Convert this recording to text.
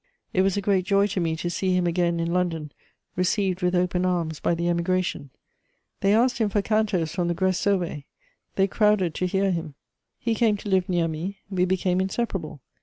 It was a great joy to me to see him again in London, received with open arms by the Emigration; they asked him for cantoes from the Grèce Sauvée; they crowded to hear him. He came to live near me; we became inseparable.